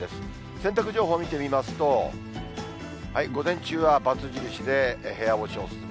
洗濯情報見てみますと、午前中はバツ印で、部屋干しお勧め。